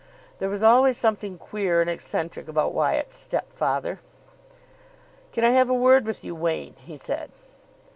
There was always something queer and eccentric about Wyatt's step father. "Can I have a word with you, Wain?" he said.